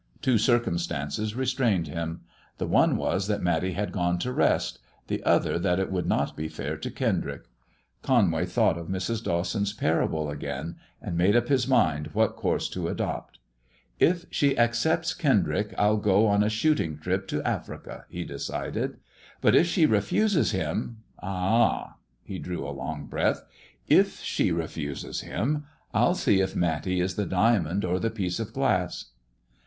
Two circumstances restrained him. The one was that Matty had gone to rest, the other that it would not be fair to Kendrick. Conway thought of Mrs. Dawson's parable again, and made up his mind what coiu*se to adopt. " If she accepts Kendrick, I'll go on a shooting trip to Africa," he decided ;" but if she refuses him — ah !"— he drew a long breath —" if she refuses him, I'll see if Matty is the diamond or the piece of glass."